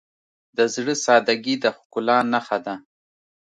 د زړه سادگی د ښکلا نښه ده.